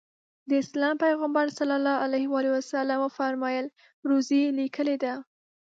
د اسلام پیغمبر ص وفرمایل روزي لیکلې ده.